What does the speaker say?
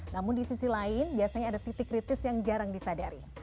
namun di sisi lain biasanya ada titik kritis yang jarang disadari